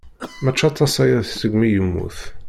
Mačči aṭas-aya seg mi yemmut.